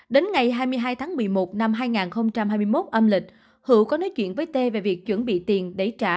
đến ngày hai mươi hai tháng một mươi một năm hai nghìn hai mươi một âm lịch hữu có nói chuyện với t về việc chuẩn bị tiền để trả